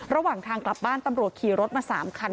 ระหว่างทางกลับบ้านตำรวจขี่รถมา๓คัน